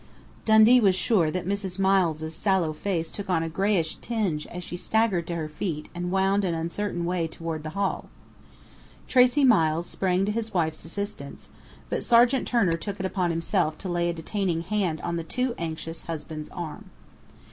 Dundee was sure that Mrs. Miles' sallow face took on a greyish tinge as she staggered to her feet and wound an uncertain way toward the hall. Tracey Miles sprang to his wife's assistance, but Sergeant Turner took it upon himself to lay a detaining hand on the too anxious husband's arm.